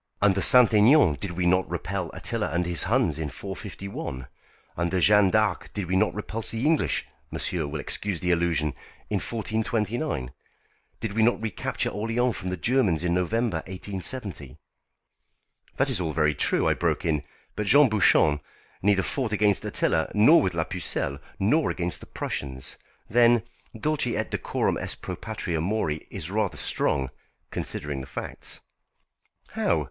Under S. Aignan did we not repel Attila and his Huns in 451? Under Jeanne d'Arc did we not repulse the English monsieur will excuse the allusion in 1429. Did we not recapture Orléans from the Germans in November, 1870?" "That is all very true," I broke in. "But Jean Bouchon neither fought against Attila nor with la Pucelle, nor against the Prussians. Then 'Dulce et decorum est pro patria mori' is rather strong, considering the facts." "How?